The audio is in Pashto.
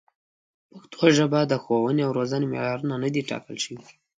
په پښتو ژبه د ښوونې او روزنې معیارونه نه دي ټاکل شوي.